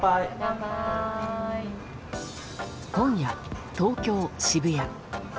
今夜、東京・渋谷。